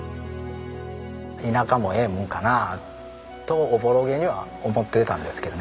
田舎もええもんかなとおぼろげには思っていたんですけどね。